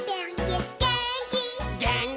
「げーんき」